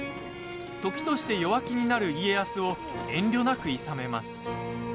時として弱気になる家康を遠慮なくいさめます。